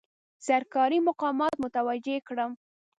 سرکاري مقامات متوجه کړم.